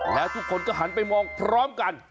แล้วทุกคนก็หันไปมองพร้อมกัน